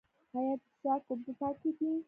آیا د څښاک اوبه پاکې دي؟